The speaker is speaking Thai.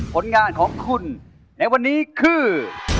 ผลงานของคุณในวันนี้คือ